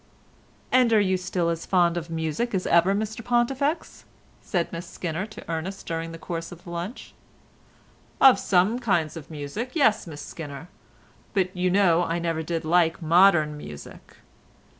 "And are you still as fond of music as ever, Mr Pontifex?" said Miss Skinner to Ernest during the course of lunch. "Of some kinds of music, yes, Miss Skinner, but you know I never did like modern music."